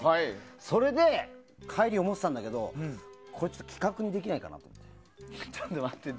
それで帰り思ったんだけど企画にできないかなと思って。